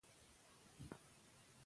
دا سیمي به بیرته زموږ شي.